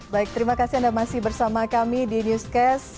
baik terima kasih anda masih bersama kami di newscast